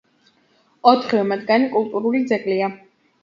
ოთხივე მათგანი კულტურული ძეგლია.